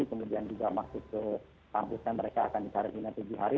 kemudian juga masuk ke kampusnya mereka akan dikarantina tujuh hari